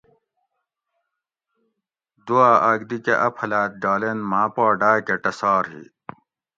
دوا آک دی کہ اپھلاۤت ڈالینت ماں پا ڈاکہ ٹسار ھی